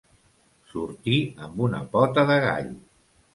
Sortir amb una pota de gall.